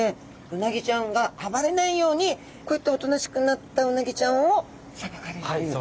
うなぎちゃんが暴れないようにこうやっておとなしくなったうなぎちゃんをさばかれるという。